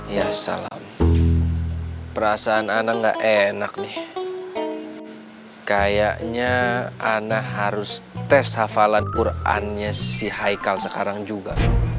ya salam perasaan anak gak enak nih kayaknya anak harus tes hafalan qurannya si haikal sekarang juga